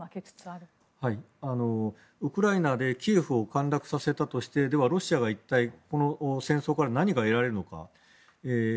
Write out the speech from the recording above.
ウクライナでキエフを陥落させたとしてではロシアが一体この戦争から何が得られるのか。